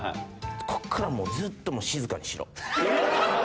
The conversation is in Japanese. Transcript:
ここからずっと「静かにしろ」